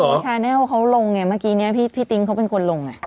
บางทุกแชนเนลเขาลงไงเมื่อกี้เนี้ยพี่พี่ติ๊งเขาเป็นคนลงอ่ะ